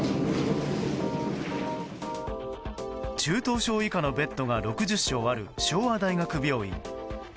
中等症以下のベッドが６０床ある昭和大学病院。